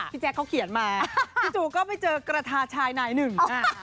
แจ๊คเขาเขียนมาพี่จูก็ไปเจอกระทาชายนายหนึ่ง